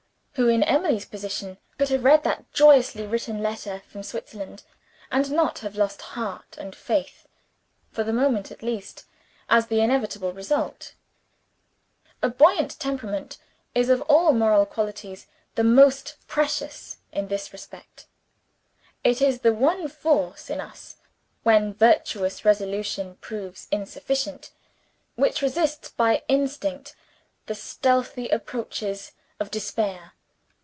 Who, in Emily's position, could have read that joyously written letter from Switzerland, and not have lost heart and faith, for the moment at least, as the inevitable result? A buoyant temperament is of all moral qualities the most precious, in this respect; it is the one force in us when virtuous resolution proves insufficient which resists by instinct the stealthy approaches of despair.